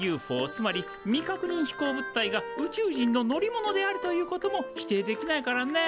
つまり未確認飛行物体が宇宙人の乗り物であるということも否定できないからね。